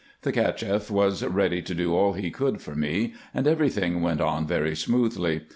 The Cacheff was ready to do all he could for me, and every thing went on very smoothly.